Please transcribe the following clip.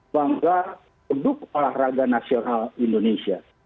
bangga produk olahraga nasional indonesia